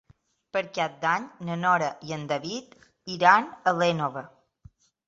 Per Cap d'Any na Nora i en David iran a l'Énova.